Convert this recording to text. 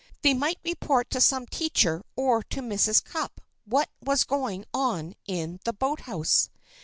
They might report to some teacher or to Mrs. Cupp, what was going on in the boathouse.